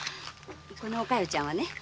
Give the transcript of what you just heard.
このお加代ちゃんはね